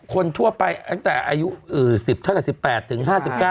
คนทั่วไปตั้งแต่อายุ๑๐เท่ากับ๑๘ถึง๕๙